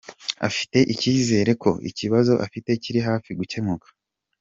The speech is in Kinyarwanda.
Afite icyizere ko ikibazo afite kiri hafi gukemuka.